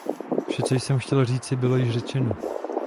Vše, co jsem chtěl říci, bylo již řečeno.